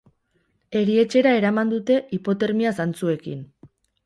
Erietxera eraman dute hipotermia zantzuekin.